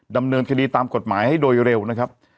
ดำเนินคดีตามกฎหมายให้โดยเร็วนะครับ